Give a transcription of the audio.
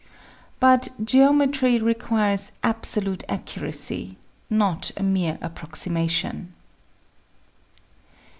But geometry requires absolute accuracy, not a mere approximation.